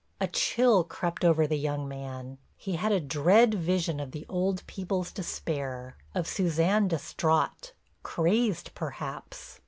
A chill crept over the young man, he had a dread vision of the old people's despair, of Suzanne distraught, crazed perhaps.